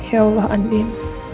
ya allah andin